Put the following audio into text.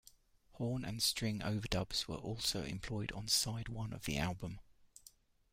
Horn and string overdubs were also employed on side one of the album.